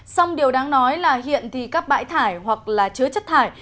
xong điều đáng nói là hiện thì các bãi thải hoặc là chứa chất thải